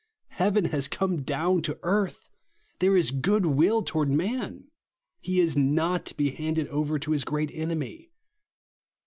Heaven has come down to earth ! There is goodwill toward man. He is not to be handed over to his great enemy.